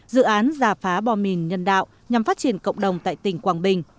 dự án giả phá bom mìn nhân đạo nhằm phát triển cộng đồng tại tỉnh quảng bình